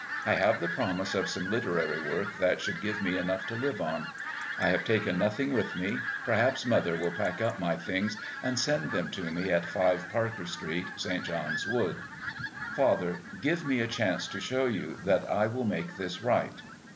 I have the promise of some literary work that should give me enough to live on. I have taken nothing with me; perhaps mother will pack up my things and send them to me at 5 Parker Street, St. John's Wood. Father, give me a chance to show you that I will make this right.